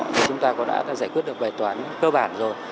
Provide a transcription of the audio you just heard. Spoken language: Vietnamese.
thì chúng ta có đã giải quyết được bài toán cơ bản rồi